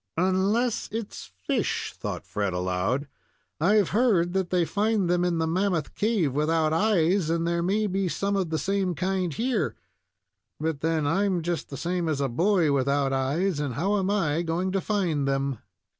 "Unless it's fish," thought Fred, aloud. "I've heard that they find them in the Mammoth Cave without eyes, and there may be some of the same kind here; but then I'm just the same as a boy without eyes, and how am I going to find them?"